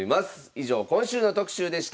以上今週の特集でした。